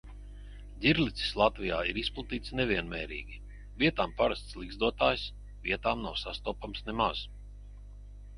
Ģirlicis Latvijā ir izplatīts nevienmērīgi – vietām parasts ligzdotājs, vietām nav sastopams nemaz.